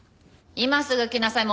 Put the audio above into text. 今すぐ来なさい。